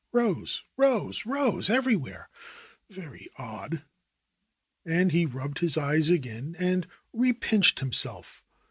Rose, rose, rose everywhere! Very odd." And he rubbed his eyes again and repinched himself.